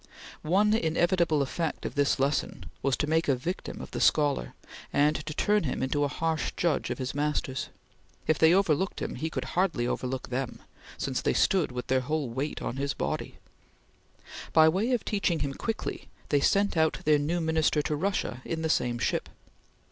One inevitable effect of this lesson was to make a victim of the scholar and to turn him into a harsh judge of his masters. If they overlooked him, he could hardly overlook them, since they stood with their whole weight on his body. By way of teaching him quickly, they sent out their new Minister to Russia in the same ship.